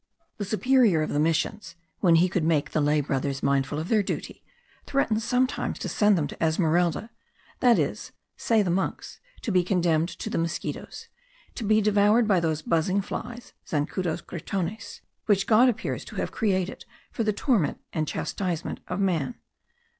The superior of the missions, when he would make the lay brothers mindful of their duty, threatens sometimes to send them to Esmeralda; that is, say the monks, to be condemned to the mosquitos; to be devoured by those buzzing flies (zancudos gritones) which God appears to have created for the torment and chastisement of man.